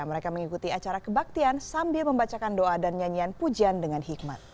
mereka mengikuti acara kebaktian sambil membacakan doa dan nyanyian pujian dengan hikmat